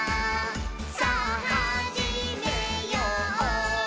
さぁはじめよう」